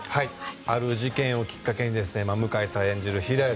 ある事件をきっかけに向井さん演じる平安